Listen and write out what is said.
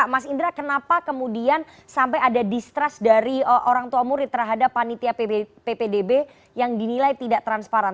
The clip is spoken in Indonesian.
mas indra kenapa kemudian sampai ada distrust dari orang tua murid terhadap panitia ppdb yang dinilai tidak transparan